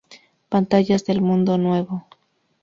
Pantallas del mundo nuevo